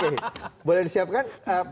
oke boleh disiapkan